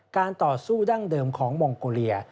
ต่อสู้ดั้งเดิมของมองโกเลีย